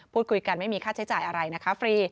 พูดคุยกันไม่มีค่าใช้จ่ายอะไรนะคะฟรี